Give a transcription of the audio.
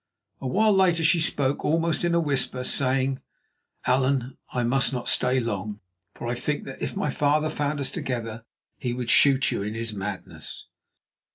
A while later she spoke almost in a whisper, saying: "Allan, I must not stay long, for I think that if my father found us together, he would shoot you in his madness."